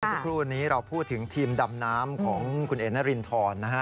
สักครู่นี้เราพูดถึงทีมดำน้ำของคุณเอนารินทรนะฮะ